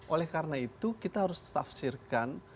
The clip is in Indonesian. oleh karena itu kita harus tafsirkan